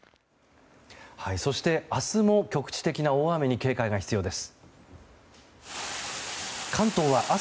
そして明日も局地的な大雨に警戒が必要です。